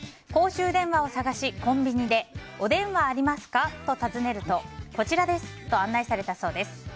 公衆電話を探し、コンビニでお電話ありますか？と尋ねるとこちらですと案内されたそうです。